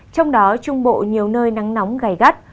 trong đó trung bộ nhiều nơi nắng nóng gai gắt